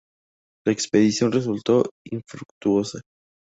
La expedición resultó infructuosa.